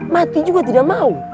mati juga tidak mau